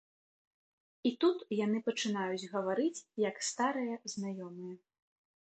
І тут яны пачынаюць гаварыць як старыя знаёмыя.